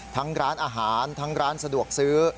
ทั้งร้านอาหารทั้งร้านสะดวกซื้อ